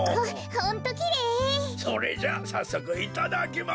それじゃあさっそくいただきます！